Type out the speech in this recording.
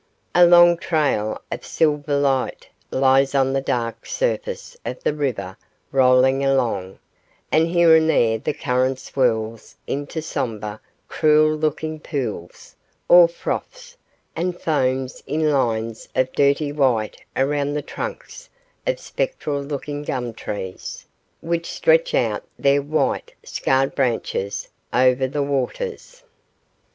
A long trail of silver light lies on the dark surface of the river rolling along, and here and there the current swirls into sombre, cruel looking pools or froths, and foams in lines of dirty white around the trunks of spectral looking gum trees, which stretch out their white, scarred branches over the waters.